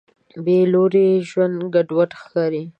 بېلوري ژوند ګډوډ ښکاري.